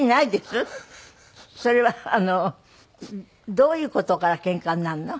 それはどういう事からケンカになるの？